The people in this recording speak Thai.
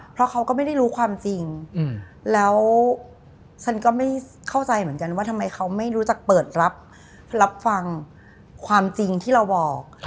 เพราะเขาก็ไม่ได้รู้ความจริงแล้วฉันก็ไม่เข้าใจเหมือนกันว่าทำไมเขาไม่รู้จักเปิดรับฟังความจริงที่เราบอก